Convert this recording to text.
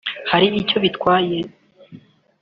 hari icyo bitwaye”